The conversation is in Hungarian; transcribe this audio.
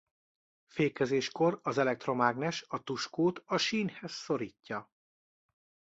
Fékezéskor az elektromágnes a tuskót a sínhez szorítja.